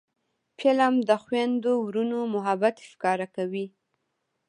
فلم د خویندو ورونو محبت ښکاره کوي